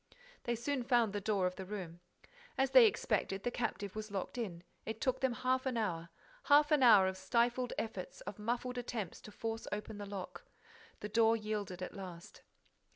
They soon found the door of the room. As they expected, the captive was locked in. It took them half an hour, half an hour of stifled efforts, of muffled attempts, to force open the lock. The door yielded at last.